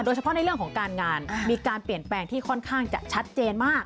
เฉพาะในเรื่องของการงานมีการเปลี่ยนแปลงที่ค่อนข้างจะชัดเจนมาก